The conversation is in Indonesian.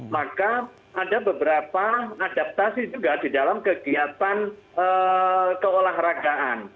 maka ada beberapa adaptasi juga di dalam kegiatan keolahragaan